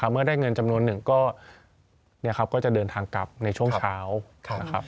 เมื่อได้เงินจำนวนหนึ่งก็จะเดินทางกลับในช่วงเช้านะครับ